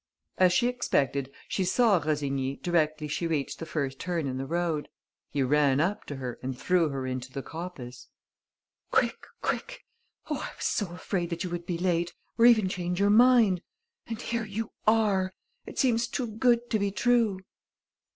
As she expected, she saw Rossigny directly she reached the first turn in the road. He ran up to her and drew her into the coppice! "Quick, quick! Oh, I was so afraid that you would be late ... or even change your mind! And here you are! It seems too good to be true!"